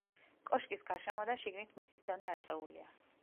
კოშკის გარშემო და შიგნით მიწის დონე აწეულია.